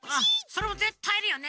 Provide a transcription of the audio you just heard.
それもぜったいいるよね。